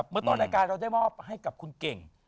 เมื่อต้นรายการเราได้มอบให้กับคุณเก่ง